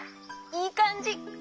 いいかんじ！